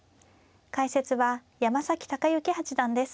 解説は山崎隆之八段です。